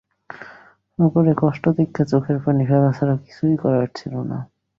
ওগরে কষ্ট দেইখ্যা চোখের পানি ফেলা ছাড়া কিছুই করার ছিল না।